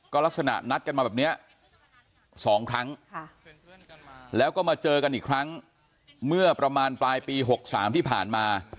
ก็ลักษณะนัดกันมาแบบนี้๒ครั้งแล้วก็มาเจอกันอีกครั้งเมื่อประมาณปลายปี๖๓ที่ผ่านมา